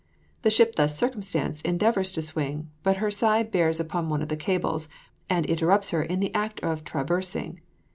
The ship thus circumstanced endeavours to swing, but her side bears upon one of the cables, which catches on her heel, and interrupts her in the act of traversing.